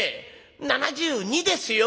７２ですよ？